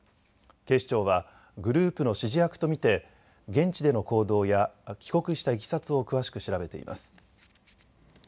警視庁はグループの指示役と見て現地での行動や帰国したいきさつを詳しく調べています。